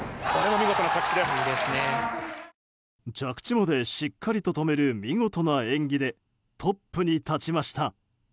着地までしっかりと止める見事な演技でトップに立ちました。